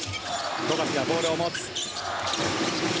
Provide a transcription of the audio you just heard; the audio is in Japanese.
富樫がボールを持つ。